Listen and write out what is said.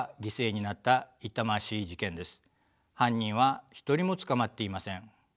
犯人は一人も捕まっていません。